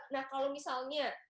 nah kalau misalnya